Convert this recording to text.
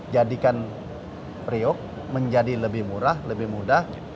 jadikan priok menjadi lebih murah lebih mudah